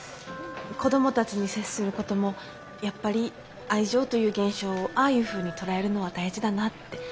子供たちに接することもやっぱり愛情という現象をああいうふうに捉えるのは大事だなって。